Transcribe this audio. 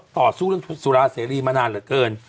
เขาต่อสู้เพื่อสุลาเสรีมานานเหลือเกิน